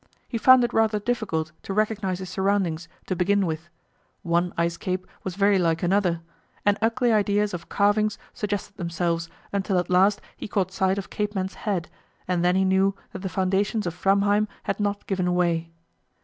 He found it rather difficult to recognize his surroundings, to begin with; one ice cape was very like another, and ugly ideas of calvings suggested themselves, until at last he caught sight of Cape Man's Head, and then he knew that the foundations of Framheim had not given way.